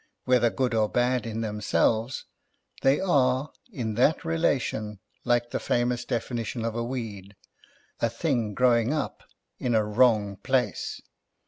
Whether good or bad in them selves, they are, in that relation, like the famous definition of a weed ; a thing growing up in a wrong place.